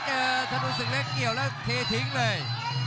ถนนศึกเล็กเกี่ยวแล้วเททิ้งเลย